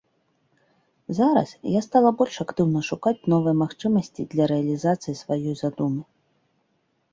Зараз я стала больш актыўна шукаць новыя магчымасці для рэалізацыі сваёй задумы.